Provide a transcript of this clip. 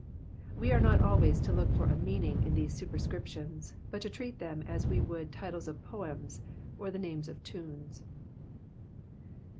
We are n^A always to look for a meant^ in tkae s^tperscriptions^ Imt to treat them as we would the titles cf poems, or the names of tunes.